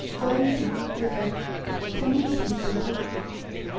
Zaidi, ditto. 12. Khamisi, ditto.